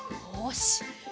よし。